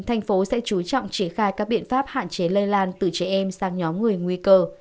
thành phố sẽ chú trọng triển khai các biện pháp hạn chế lây lan từ trẻ em sang nhóm người nguy cơ